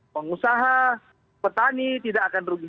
pengusaha petani tidak akan rugi